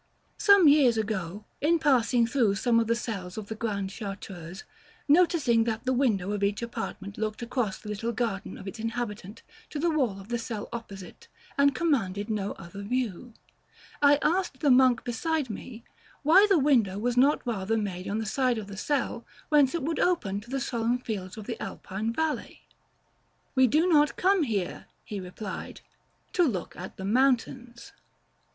Some years ago, in passing through some of the cells of the Grand Chartreuse, noticing that the window of each apartment looked across the little garden of its inhabitant to the wall of the cell opposite, and commanded no other view, I asked the monk beside me, why the window was not rather made on the side of the cell whence it would open to the solemn fields of the Alpine valley. "We do not come here," he replied, "to look at the mountains."